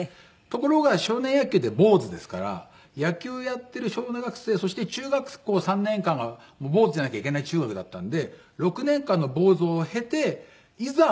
ところが少年野球って坊主ですから野球やってる小学生そして中学校３年間は坊主じゃなきゃいけない中学だったんで６年間の坊主を経ていざ